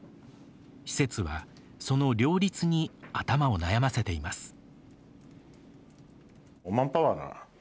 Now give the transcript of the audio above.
施設は、その両立に頭を悩ませています。